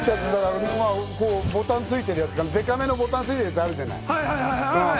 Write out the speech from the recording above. ボタンついてるやつ、デカめのボタンがついてるやつあるじゃない？